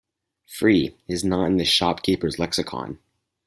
Free, is not in this shop keepers lexicon.